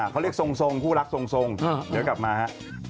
เขาเรียกทรงทรงผู้รักทรงทรงเดี๋ยวกลับมา